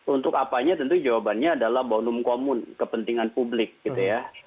untuk apanya tentu jawabannya adalah bonum komun kepentingan publik gitu ya